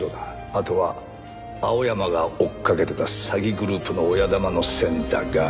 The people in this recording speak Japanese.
あとは青山が追っかけてた詐欺グループの親玉の線だが。